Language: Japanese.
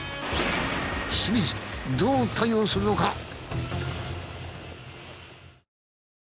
清水どう対応するのか！？